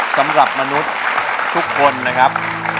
สำหรับมนุษย์ทุกคนนะครับ